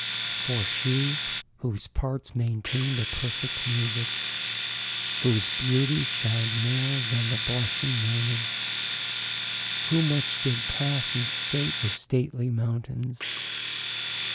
For she , whose parts maintainde a perfect musique, Whose beautie shin'de more then the blushing morning, Who much did passe in state the stately mountaines.